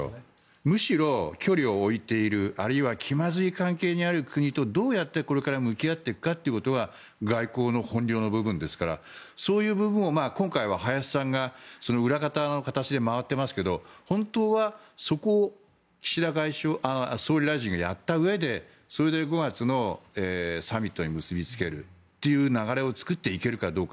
むしろ距離を置いているあるいは気まずい関係にある国とどうやってこれから向き合っていくかということが外交の本領の部分ですからそういう部分を今回は林さんが裏方として回っていますが本当はそこを岸田総理大臣がやったうえでそれで５月のサミットに結びつけるという流れを作っていけるかどうか。